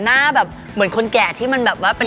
มันก็เหมือนคนแก่ที่เป็นเหี่ยว